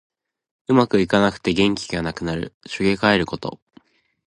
うまくいかなくて元気がなくなる。しょげかえること。